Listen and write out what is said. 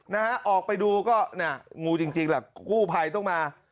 นะฮะออกไปดูก็งูจริงแหละกู้ไพต้องมา